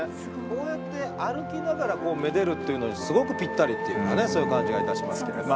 こうやって歩きながらめでるとういのにすごくぴったりというかそういう感じがいたします。